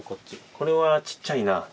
これはちっちゃいな。